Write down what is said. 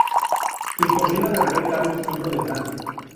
Y sobrina del rey Carlos V de Francia.